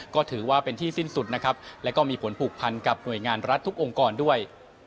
ก็ถือว่าเป็นที่สิ้นสุดนะครับและก็มีผลผูกพันกับหน่วยงานรัฐทุกองค์กรด้วย